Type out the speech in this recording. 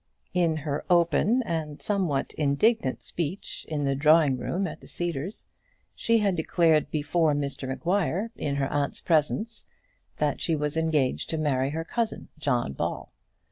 In her open and somewhat indignant speech in the drawing room at the Cedars, she had declared before Mr Maguire, in her aunt's presence, that she was engaged to marry her cousin, John Ball.